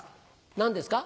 何ですか？